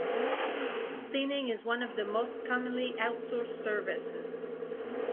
Cleaning is one of the most commonly outsourced services.